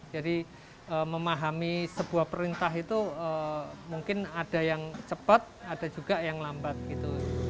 jadi memahami sebuah perintah itu mungkin ada yang cepat ada juga yang lambat